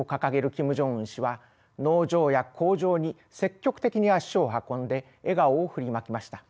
キム・ジョンウン氏は農場や工場に積極的に足を運んで笑顔を振りまきました。